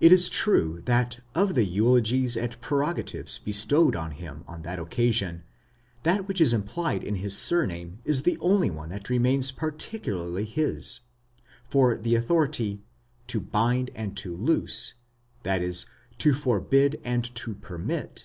It is true that of the eulogies and prerogatives bestowed on him on: that occasion, that which is implied in his surname is the only one that remains peculiarly his ; for the authority to dind and to loose, that is, to forbid and to permit